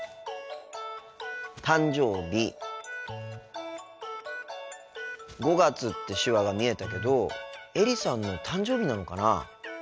「誕生日」「５月」って手話が見えたけどエリさんの誕生日なのかな？